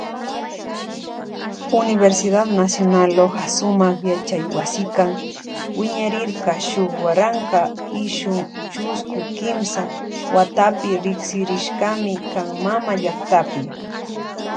Universidad nacional Loja sumak yachaywasikan wiñarirka shuk waranka iskun chusku kimsa watapi riksirishkami kan mama llaktapi.